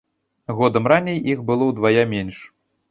Годам раней іх было ўдвая менш.